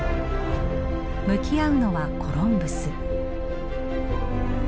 向き合うのはコロンブス。